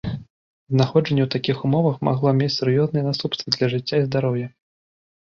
Знаходжанне ў такіх ўмовах магло мець сур'ёзныя наступствы для жыцця і здароўя.